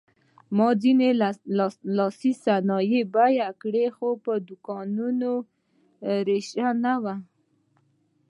ما ځینې لاسي صنایع بیه کړې خو پر دوکانونو رش نه و.